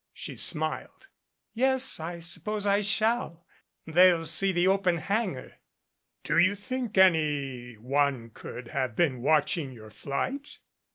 She smiled. "Yes, I suppose I shall. They'll see the open han gar " "Do you think any one could have been watching your flight?"